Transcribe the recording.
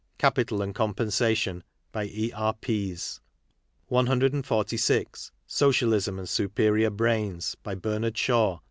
Capital and Compensation. By E. R. Pease. 146. Socialism and Superior Brains. By Bernard Shaw.